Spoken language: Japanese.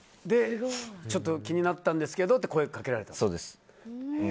ちょっと気になったんですけどって声をかけられたと。